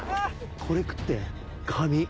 これ食って紙。